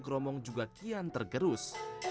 keromong juga kian tergerus